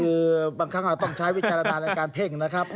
คือบางครั้งต้องใช้วิจารณญาณในการเพ่งนะครับ